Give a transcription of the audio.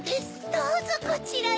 どうぞこちらへ。